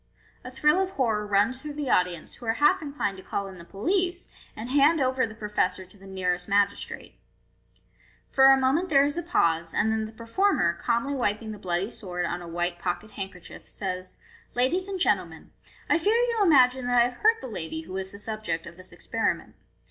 A thrill of horror runs through the audience, who are half inclined to call in the police, and hand over the professor to the nearest magis trate. For a moment there is a pause, and then the performer, calmly wiping the bloody sword on a white pocket handkerchief, says. "Ladies and gentlemen, I fear you imagine that I have hurt the lady who was the subject of this experiment.